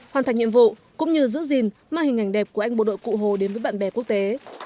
hoàn thành nhiệm vụ cũng như giữ gìn mà hình ảnh đẹp của anh bộ đội cụ hồ đến với bạn bè quốc tế